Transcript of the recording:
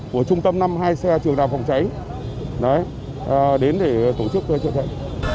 của trung tâm năm hai xe trường đàm phòng cháy đấy đến để tổ chức chữa cháy